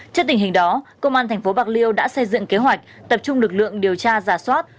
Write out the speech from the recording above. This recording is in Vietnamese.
trước tình hình đó công an tp bạc liêu đã xây dựng kế hoạch tập trung lực lượng điều tra giả soát